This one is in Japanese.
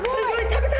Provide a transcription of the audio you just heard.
食べた！